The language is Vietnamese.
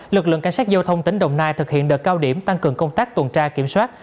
lực lượng cảnh sát giao thông tỉnh đồng nai thực hiện đợt cao điểm tăng cường công tác tuần tra kiểm soát